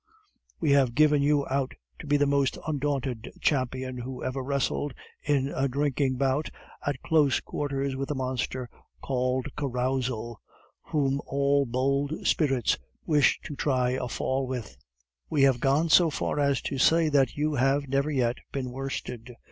We have given you out to be the most undaunted champion who ever wrestled in a drinking bout at close quarters with the monster called Carousal, whom all bold spirits wish to try a fall with; we have gone so far as to say that you have never yet been worsted.